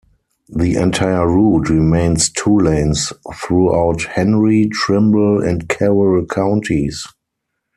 The entire route remains two-lanes throughout Henry, Trimble, and Carroll counties.